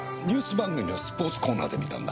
番組のスポーツコーナーで見たんだ。